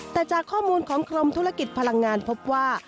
แต่จากข้อมูลของกรมธุรกิจพลังงานพบว่า